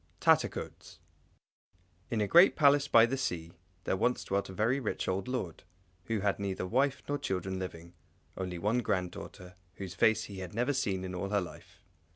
Tattercoats In a great Palace by the sea there once dwelt a very rich old lord, who had neither wife nor children living, only one little granddaughter, whose face he had never seen in all her life.